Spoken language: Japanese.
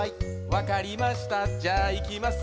わかりましたじゃあいきます